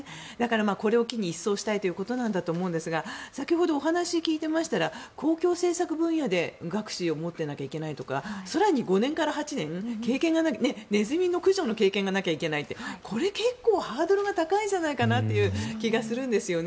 これを機に一掃したいということなんだと思いますが先ほどお話を聞いてましたら公共政策分野で学士を持っていなきゃいけないとか更に、５年から８年ネズミの駆除の経験がなきゃいけないってこれ、結構ハードルが高いんじゃないかという気がするんですよね。